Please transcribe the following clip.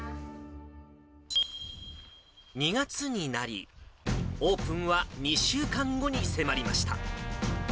２月になり、オープンは２週間後に迫りました。